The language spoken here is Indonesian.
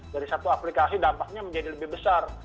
dari satu aplikasi dampaknya menjadi lebih besar